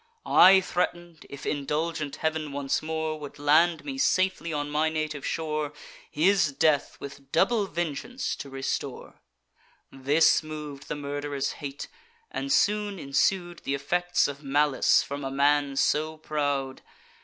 I threaten'd, if indulgent Heav'n once more Would land me safely on my native shore, His death with double vengeance to restore. This mov'd the murderer's hate; and soon ensued Th' effects of malice from a man so proud.